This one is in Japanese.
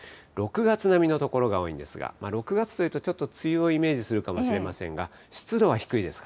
６月並みの所が多いんですが、６月というと、ちょっと梅雨をイメージするかもしれませんが、湿度は低いです。